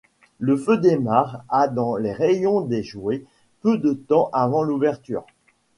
Le feu démarre à dans les rayons des jouets, peu de temps avant l'ouverture.